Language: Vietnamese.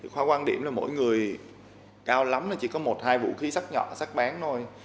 khoa quan điểm là mỗi người cao lắm là chỉ có một hai vũ khí sắc nhỏ sắc bán thôi